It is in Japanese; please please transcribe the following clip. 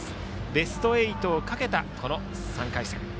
ベスト８をかけたこの３回戦。